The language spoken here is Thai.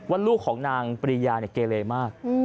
ว่าลูกของนางปริญญาเนี่ยเกรเลมาก